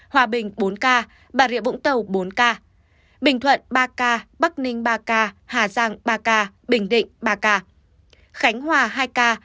hòa bình bốn ca bà rịa vũng tàu bốn ca bình thuận ba ca bắc ninh ba ca hà giang ba ca bình định ba ca khánh hòa hai ca